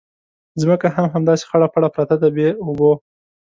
ځمکه هم همداسې خړه پړه پرته ده بې اوبو.